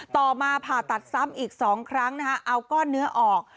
ต่อมาผ่าตัดซ้ำอีก๒ครั้งนะคะเอาก้อนเนื้อออก